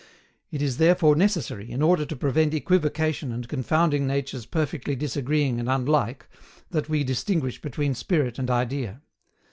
It is therefore necessary, in order to prevent equivocation and confounding natures perfectly disagreeing and unlike, that we distinguish between spirit and idea.